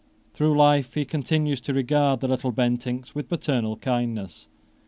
Through life he continues to regard the little Bentincks with paternal kindness.